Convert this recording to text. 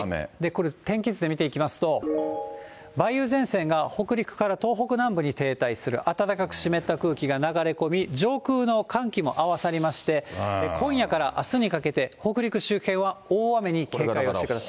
これ、天気図で見ていきますと、梅雨前線が北陸から東北南部に停滞する、暖かく湿った空気が流れ込み、上空の寒気も合わさりまして、今夜からあすにかけて、北陸周辺は大雨に警戒してください。